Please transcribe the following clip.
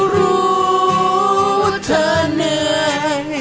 รู้เธอเหนื่อย